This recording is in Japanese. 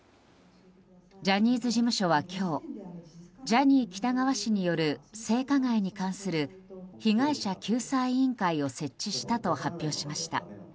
ジャニーズ事務所は今日ジャニー喜多川氏による性加害に関する被害者救済委員会を設置したと発表しました。